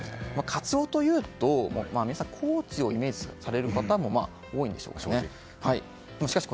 カツオというと、皆さん高知をイメージされる方も多いでしょうかね。